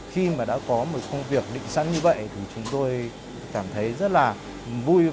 khi mà đã có một công việc định sẵn như vậy thì chúng tôi cảm thấy rất là vui